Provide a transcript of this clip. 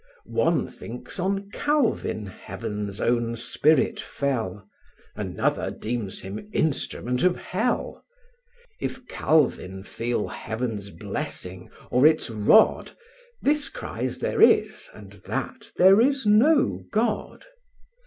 One thinks on Calvin Heaven's own spirit fell; Another deems him instrument of hell; If Calvin feel Heaven's blessing, or its rod. This cries there is, and that, there is no God.